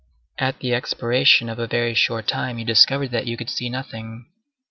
At the expiration of a very short time you discovered that you could see nothing.